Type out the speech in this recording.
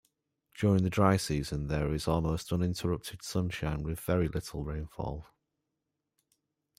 During the dry season, there is almost uninterrupted sunshine with very little rainfall.